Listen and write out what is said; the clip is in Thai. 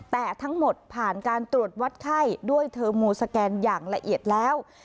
แต่ทั้งหมดผ่านการตรวจวัดไข้ด้วยเทอร์โมสแกนอย่างละเอียดแล้ว